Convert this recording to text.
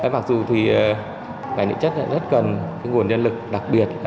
mặc dù thì ngành địa chất rất cần nguồn nhân lực đặc biệt